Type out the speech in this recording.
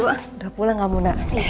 udah pulang kamu gak